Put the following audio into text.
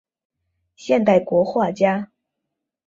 现代国画家。